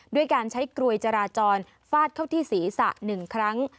ด้วยการใช้กลวยจราจรฟาดเข้าที่ศีรษะ๑ครั้ง